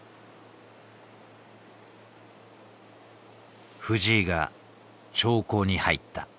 藤井が長考に入った。